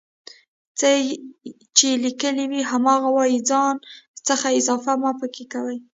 څه چې ليکلي وي هماغه وايئ ځان څخه اضافه مه پکې کوئ